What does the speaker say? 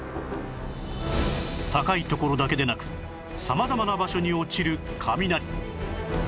高い所だけでなく様々な場所に落ちる雷